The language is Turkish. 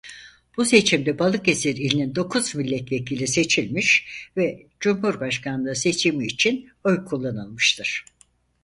Bu seçimde Balıkesir ilinin dokuz milletvekili seçilmiş ve cumhurbaşkanlığı seçimi için oy kullanılmıştır.